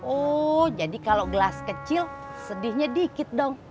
oh jadi kalau gelas kecil sedihnya dikit dong